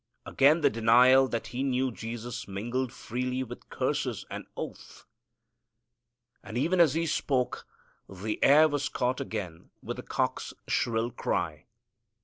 Again the denial that he knew Jesus mingled freely with curses and oath. And even as he spoke the air was caught again with the cock's shrill cry.